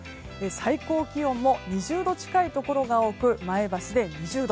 最高気温も２０度近いところが多く前橋で２０度。